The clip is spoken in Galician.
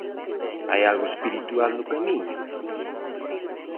Hai algo espiritual no camiño?